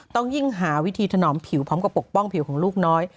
ต้องยิ่งหาวิธีถนอมผิวพร้อมกับปกป้องผิวของลูกน้อย